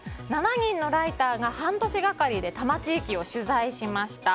７人のライターが半年がかりで多摩地域を取材しました。